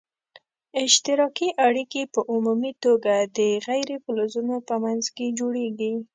اشتراکي اړیکي په عمومي توګه د غیر فلزونو په منځ کې جوړیږي.